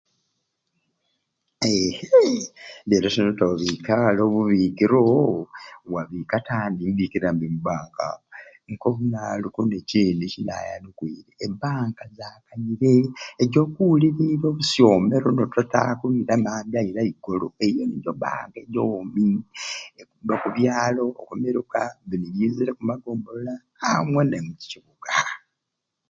Iiii leero te notabiike al'obubiikiro, wabiika te andi?biikira mbe mu bank. Ko ninaliku n'ekindi kinayanukwiire e banka za kanyire ejokuwuliliirya obusyoomero n'otataaku iza emambya iz'eigolo ejo nijo banka ejoomi ekubba okubyaalo okumiruka bini biizire ku magombolola amwe ne mu kibuga